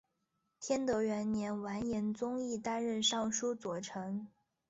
天德元年完颜宗义担任尚书左丞。